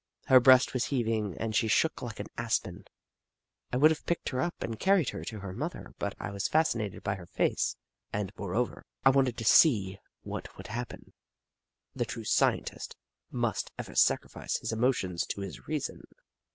Her breast was heaving and she shook like an aspen. I would have picked her up and carried her to her mother, but I was fascinated by her face, and moreover, I wanted to see Snoof 8 1 what would happen. The true Scientist must ever sacrifice his emotions to his reason.